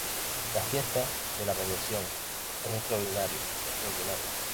Las fiestas de la perversión... Es extraordinario... extraordinario.